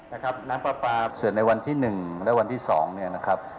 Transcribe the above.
นะครับน้ำปลาส่วนในวันที่๑และวันที่๒นะครับ